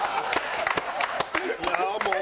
いやあもう。